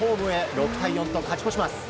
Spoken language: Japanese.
６対４と勝ち越します。